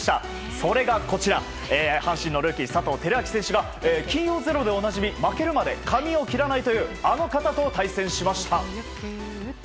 それが阪神のルーキー佐藤輝明選手が金曜「ｚｅｒｏ」でおなじみ負けるまで髪を切らないというあの方と対戦しました。